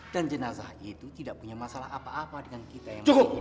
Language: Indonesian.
dan jenazah itu tidak punya masalah apa apa dengan kita yang menghidupkan